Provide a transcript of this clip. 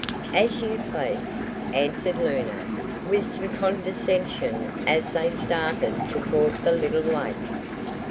"As you please," answered Luna with some condescension as they started toward the little lake.